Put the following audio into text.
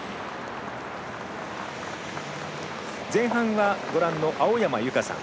前半はご覧の青山由佳さん。